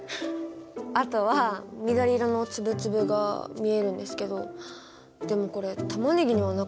あとは緑色の粒々が見えるんですけどでもこれタマネギにはなかった。